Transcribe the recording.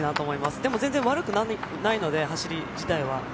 でも全然悪くないので走り自体は。